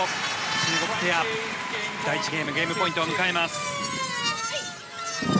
中国ペア、第１ゲームゲームポイントを迎えます。